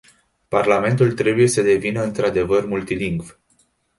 Parlamentul trebuie să devină într-adevăr multilingv.